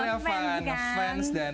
karena fans sebenernya fans